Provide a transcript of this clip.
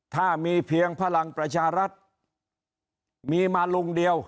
ถ้ามีเพียงพลังประชารัฐมีมาลุงเดียว